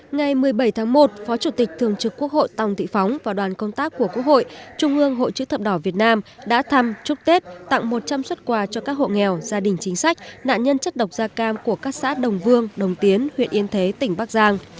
ngày một mươi bảy tháng một phó chủ tịch thường trực quốc hội tòng thị phóng và đoàn công tác của quốc hội trung ương hội chữ thập đỏ việt nam đã thăm chúc tết tặng một trăm linh xuất quà cho các hộ nghèo gia đình chính sách nạn nhân chất độc da cam của các xã đồng vương đồng tiến huyện yên thế tỉnh bắc giang